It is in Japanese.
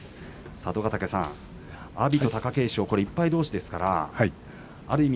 佐渡ヶ嶽さん阿炎と貴景勝１敗どうしですからある意味